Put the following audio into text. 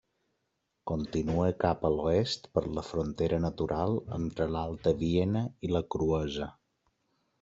Continua cap a l'oest per la frontera natural entre l'Alta Viena i la Cruesa.